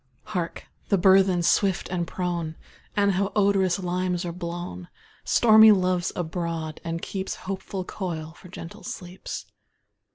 Hark! the burthen, swift and prone! And how the odorous limes are blown! Stormy Love's abroad, and keeps Hopeful coil for gentle sleeps.